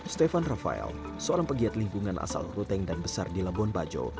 stefan rafael seorang pegiat lingkungan asal ruteng dan besar di labuan bajo